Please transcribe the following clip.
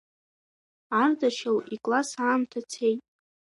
Ардашьыл икласс аамҭа цеит.